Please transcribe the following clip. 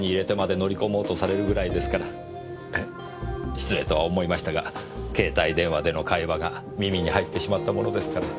失礼とは思いましたが携帯電話での会話が耳に入ってしまったものですから。